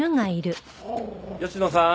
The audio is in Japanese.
吉野さん